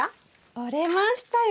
折れましたよ。